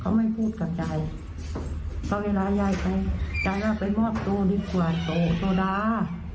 เขาไม่พูดกับยายเพราะเวลายายไปยายว่าไปมอบตัวดีกว่าโตดา